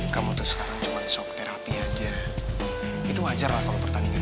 kamu tuh sekarang cuma shock therapy aja itu wajar lah kalau pertandingan